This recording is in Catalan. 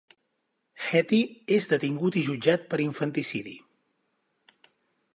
Hetty és detingut i jutjat per infanticidi.